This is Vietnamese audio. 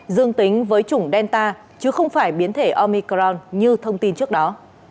dương tính với chủng delta chứ không phải biến thể omicron như thông tin trước đó